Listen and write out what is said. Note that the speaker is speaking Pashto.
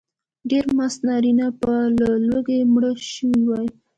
ډېر مست نارینه به له لوږې مړه شوي وای.